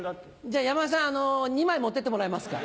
じゃ山田さん２枚持ってってもらえますか？